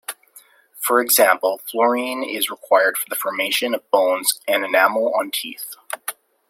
For example fluorine is required for the formation of bones and enamel on teeth.